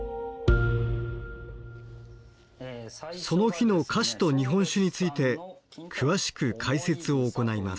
その日の菓子と日本酒について詳しく解説を行います。